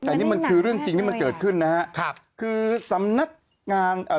แต่นี่มันคือเรื่องจริงที่มันเกิดขึ้นนะฮะครับคือสำนักงานเอ่อ